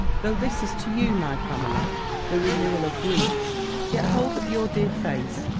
"Though this is to you, my Pamela, the renewal of griefs; yet hold up your dear face.